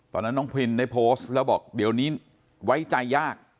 ตอนนั้นน้องพรินได้โพสต์แล้วบอกเดี๋ยวนี้ไว้ใจยาก